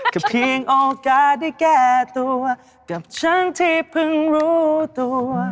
ก็เพียงโอกาสได้แก้ตัวกับฉันที่เพิ่งรู้ตัว